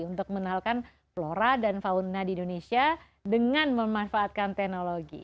untuk menalkan flora dan fauna di indonesia dengan memanfaatkan teknologi